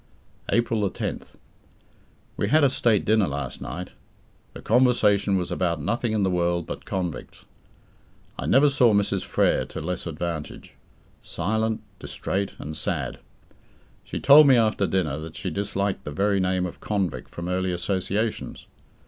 April 10th. We had a state dinner last night. The conversation was about nothing in the world but convicts. I never saw Mrs. Frere to less advantage. Silent, distraite, and sad. She told me after dinner that she disliked the very name of "convict" from early associations.